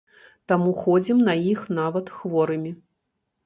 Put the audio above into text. Таму ходзім на іх нават хворымі.